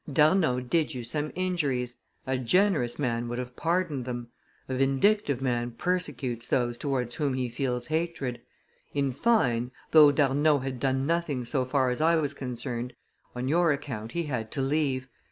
D'Arnauld did you some injuries; a generous man would have pardoned them; a vindictive man persecutes those towards whom he feels hatred. In fine, though D'Arnauld had done nothing so far as I was concerned, on your account he had to leave.